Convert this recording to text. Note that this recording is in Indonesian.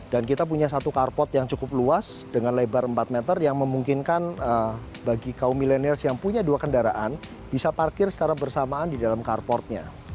dan kita punya satu carport yang cukup luas dengan lebar empat meter yang memungkinkan bagi kaum milenials yang punya dua kendaraan bisa parkir secara bersamaan di dalam carportnya